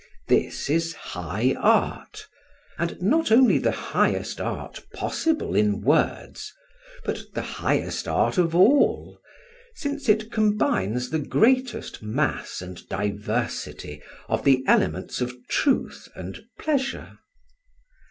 This is high art; and not only the highest art possible in words, but the highest art of all, since it combines the greatest mass and diversity of the elements of truth and pleasure.